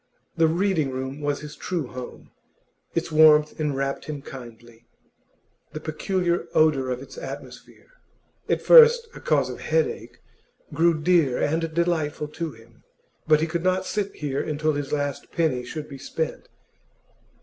The Reading room was his true home; its warmth enwrapped him kindly; the peculiar odour of its atmosphere at first a cause of headache grew dear and delightful to him. But he could not sit here until his last penny should be spent.